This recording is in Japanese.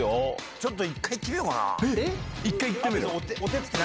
ちょっと１回いってみようかな。